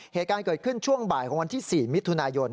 เหตุการณ์เกิดขึ้นช่วงบ่ายของวันที่๔มิถุนายน